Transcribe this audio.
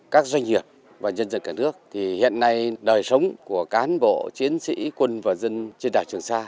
các doanh nghiệp và nhân dân cả nước thì hiện nay đời sống của cán bộ chiến sĩ quân và dân trên đảo trường sa